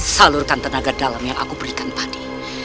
salurkan tenaga dalam yang aku berikan tadi